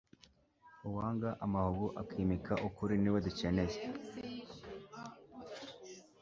uwanga amahugu akimika ukuri niwe dukeneye